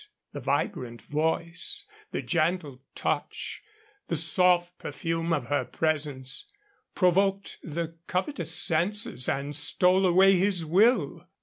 The vibrant voice, the gentle touch, the soft perfume of her presence provoked the covetous senses and stole away his will.